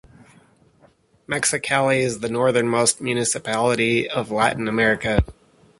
Mexicali is the northernmost municipality of Latin America.